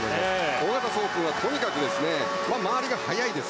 小方颯君はとにかく周りが速いです。